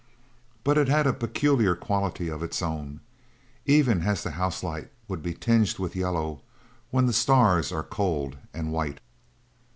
But it had a peculiar quality of its own, even as the house light would be tinged with yellow when the stars are cold and white.